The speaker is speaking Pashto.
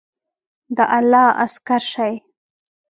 د الله عسکر شئ!